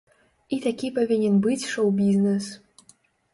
І такі павінен быць шоў-бізнес.